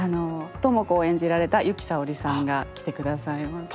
知子を演じられた由紀さおりさんが来て下さいます。